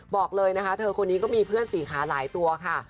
บอกเลยนะคะเธอคนนี้ก็มีเพื่อนสีขาหลายตัวค่ะ